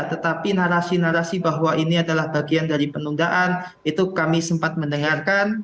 tetapi narasi narasi bahwa ini adalah bagian dari penundaan itu kami sempat mendengarkan